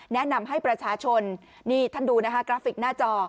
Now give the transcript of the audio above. แนะนำให้ประชาชนนี่ท่านดูนะคะกราฟิกหน้าจอ